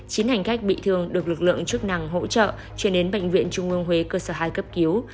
chín hành khách bị thương được lực lượng chức năng hỗ trợ chuyển đến bệnh viện trung ương huế cơ sở hai cấp cứu